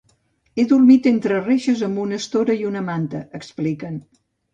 Hem dormit entre reixes amb una estora i una manta, expliquen.